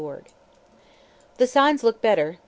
"The signs look better.